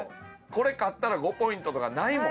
これ勝ったら５ポイントとかないもん。